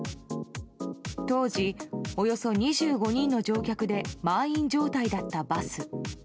当時およそ２５人の乗客で満員状態だったバス。